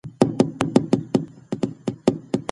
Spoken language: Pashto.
غوښه په لویو لوښو کې په هنر ترتیب شوې وه چې سترګې یې اړولې.